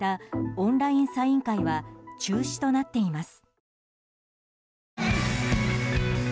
オンラインサイン会は中止となっています。